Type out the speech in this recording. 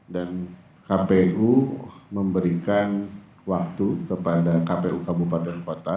dan kpu memberikan waktu kepada kpu kabupaten kota